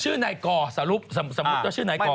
ชื่อไหนก่อสรุปสมมุติว่าชื่อไหนก่อ